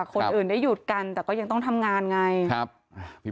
คนอื่นได้หยุดกันแต่ก็ยังต้องทำงานไง